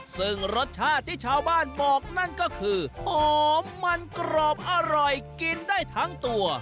ซึ่งรสชาติที่ชาวบ้านบอกนั่นก็คือหอมมันกรอบอร่อยกินได้ทั้งตัว